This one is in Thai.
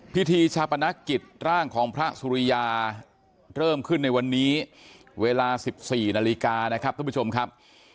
พิธีชาปนกิจร่างของพระสุริยาเริ่มขึ้นในวันนี้เวลา๑๔นาฬิกานะครับท่านผู้ชมครับ